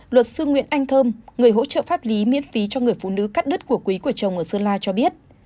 luật sư nguyễn anh thơm người hỗ trợ pháp lý miễn phí cho người phụ nữ cắt đất của quý của chồng ở sơn la cho biết